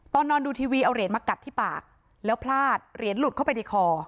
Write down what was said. ตอนนอนดูทีวีเอาเหรียญมากัดที่ปากแล้วพลาดเหรียญหลุดเข้าไปในคอ